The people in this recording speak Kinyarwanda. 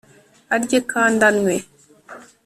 arye kandi anywe